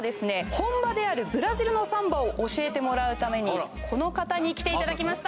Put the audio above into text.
本場であるブラジルのサンバを教えてもらうためにこの方に来ていただきました